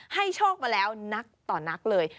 โชคมาแล้วนักต่อนักเลย